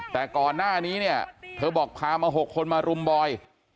แต่ก่อนหน้านี้เนี่ยเธอบอกพามา๖คนมารุมบอย